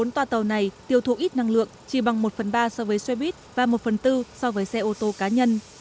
bốn toa tàu này tiêu thụ ít năng lượng chỉ bằng một phần ba so với xe buýt và một phần tư so với xe ô tô cá nhân